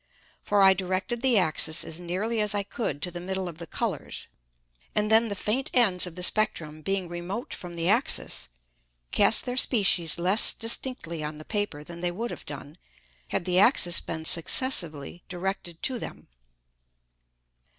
For I directed the Axis as nearly as I could to the middle of the Colours, and then the faint Ends of the Spectrum being remote from the Axis, cast their Species less distinctly on the Paper than they would have done, had the Axis been successively directed to them.